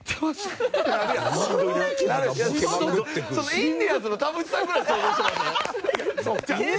インディアンスの田渕さんぐらいを想像してません？